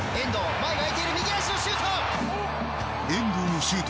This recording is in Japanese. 前が空いている右足のシュート。